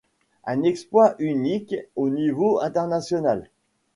Un exploit unique au niveau international.